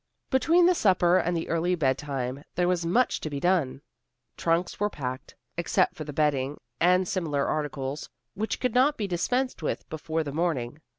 Between the supper and the early bedtime there was much to be done. Trunks were packed, except for the bedding and similar articles, which could not be dispensed with before the morning.